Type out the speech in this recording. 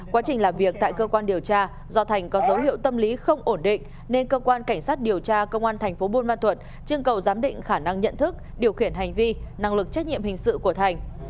quá trình làm việc tại cơ quan điều tra do thành có dấu hiệu tâm lý không ổn định nên cơ quan cảnh sát điều tra công an thành phố buôn ma thuật chương cầu giám định khả năng nhận thức điều khiển hành vi năng lực trách nhiệm hình sự của thành